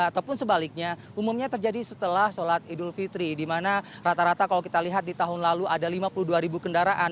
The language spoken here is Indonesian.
ataupun sebaliknya umumnya terjadi setelah sholat idul fitri di mana rata rata kalau kita lihat di tahun lalu ada lima puluh dua ribu kendaraan